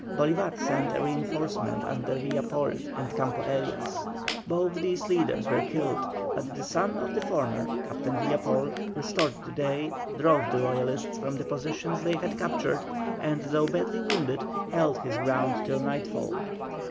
Bolívar sent a reinforcement under Villapol and Campo Elias. Both these leaders were killed, but the son of the former, Captain Villapol, restored the day, drove the Royalists from the positions they had captured, and though badly wounded, held his ground till nightfall.